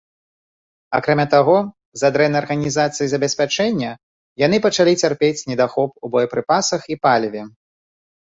Акрамя таго, з-за дрэннай арганізацыі забеспячэння яны пачалі цярпець недахоп у боепрыпасах і паліве.